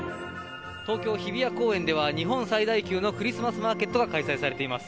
東京・日比谷公園では、日本最大級のクリスマスマーケットが開催されています。